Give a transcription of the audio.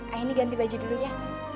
aini ganti baju dulu ya